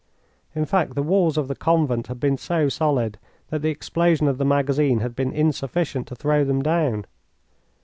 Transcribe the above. In fact, the walls of the convent had been so solid that the explosion of the magazine had been insufficient to throw them down.